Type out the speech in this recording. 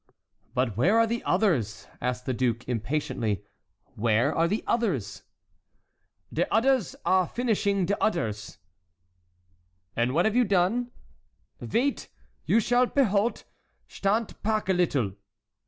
"But where are the others?" asked the duke, impatiently, "where are the others?" "De udders are vinishing de udders!" "And what have you done?" "Vait! You shall peholt! Shtant pack a liddle."